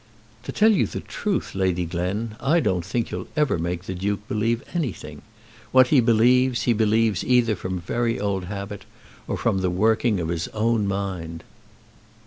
"To tell you the truth, Lady Glen, I don't think you'll ever make the Duke believe anything. What he believes, he believes either from very old habit, or from the working of his own mind."